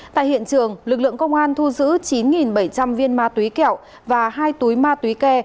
tại hiện trường lực lượng công an thu giữ chín bảy trăm linh viên ma túy kẹo và hai túi ma túy ke